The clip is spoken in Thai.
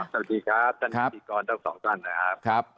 สวัสดีครับท่านพิกรเจ้าสองสั้นนะครับ